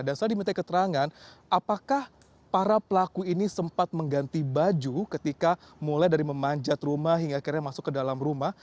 dan saya diminta keterangan apakah para pelaku ini sempat mengganti baju ketika mulai dari memanjat rumah hingga akhirnya masuk ke dalam rumah